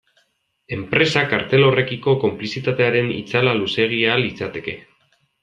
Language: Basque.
Enpresa kartel horrekiko konplizitatearen itzala luzeegia litzateke.